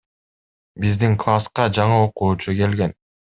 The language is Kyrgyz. Биздин класска жаңы окуучу келген.